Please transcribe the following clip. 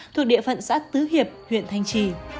thuộc địa phận xã tứ hiệp huyện thanh trì